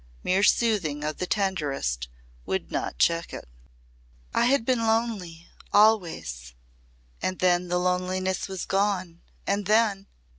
Mere soothing of the tenderest would not check it. "I had been lonely always And then the loneliness was gone. And then